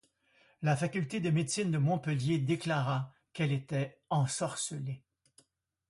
La faculté de médecine de Montpellier déclara qu'elle était ensorcellée.